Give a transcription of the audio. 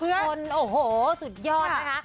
แต่ละคนโอ้โหสุดยอดนะฮะ